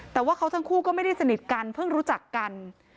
แต่ว่าเขาทั้งคู่ก็ไม่ได้สนิทกันเพิ่งรู้จักกัน